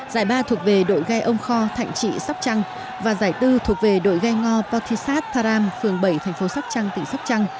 giải ba thuộc về đội gây ông kho thạnh trị sóc trăng và giải tư thuộc về đội gây ngo pautisat thara